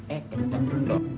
eh kencang kendor